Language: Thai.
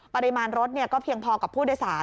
ปริมาณรถก็เพียงพอกับผู้โดยสาร